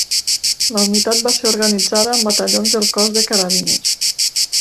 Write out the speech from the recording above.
La unitat va ser organitzada amb batallons del Cos de Carabiners.